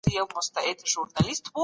د خلګو ذوق په مطالعه جوړیږي.